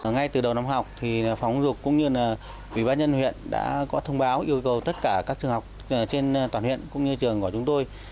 ngay từ đầu năm học phóng dục cũng như quỹ bác nhân huyện đã có thông báo yêu cầu tất cả các trường học trên toàn huyện cũng như trường của chúng tôi